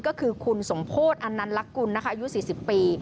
ก็คือคุณสมโพธิอันนันลักกุลนะคะอายุ๔๐ปี